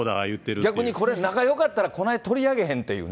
逆にこれ、仲よかったらこない取り上げへんていうね。